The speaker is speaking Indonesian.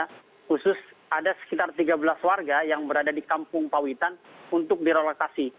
khusus ada sekitar tiga belas warga yang berada di kampung pawitan untuk direlokasi